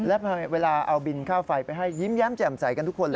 และเวลาเอาบินค่าไฟไปให้ยิ้มแย้มแจ่มใสกันทุกคนเลย